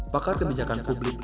pakar kebijakan publik